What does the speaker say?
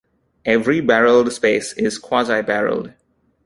Every barrelled space is quasi-barrelled.